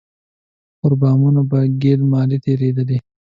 پر بامونو به ګيل مالې تېرېدلې.